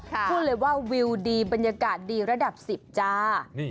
พูดเลยว่าวิวดีบรรยากาศดีระดับ๑๐จ้า